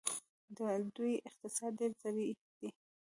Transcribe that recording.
د دوی اقتصاد ډیر ظرفیت لري.